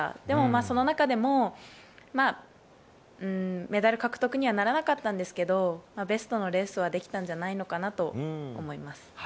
でも、その中でもメダル獲得にはならなかったんですけどベストのレースはできたんじゃないかなと思います。